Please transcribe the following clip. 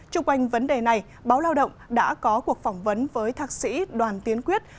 trung quanh vấn đề này báo lao động đã có cuộc phỏng vấn với thạc sĩ đoàn tiến quyết